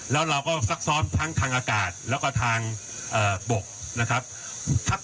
แล้วเราก็ซักซ้อมทั้งทางอากาศแล้วก็ทางบกนะครับ